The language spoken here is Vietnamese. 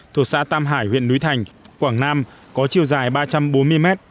thuộc xã tam hải huyện núi thành quảng nam có chiều dài ba trăm bốn mươi m